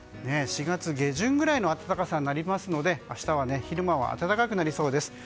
４月下旬ぐらいの暖かさになりますので明日は昼間は暖かくなりそうです。